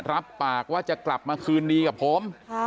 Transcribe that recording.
รับปากว่าจะกลับมาคืนดีกับผม